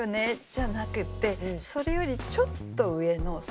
じゃなくてそれよりちょっと上のそういうものを